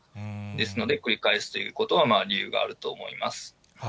ですので、繰り返すということは、理由があると思います。